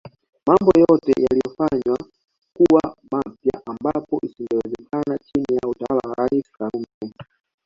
Mambo yote yalifanywa kuwa mapya ambapo isingewezekana chini ya utawala wa Rais Karume